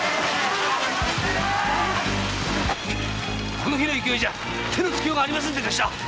この火の勢いじゃ手のつけようがありませんぜ！